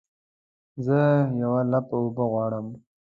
زه یوه لپه اوبه غواړمه